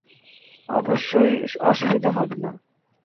অবশ্যই অসুবিধা হবে না।